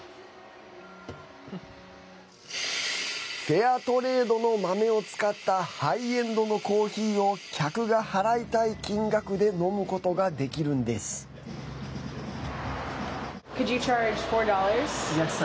フェアトレードの豆を使ったハイエンドのコーヒーを客が払いたい金額で飲むことができるんです。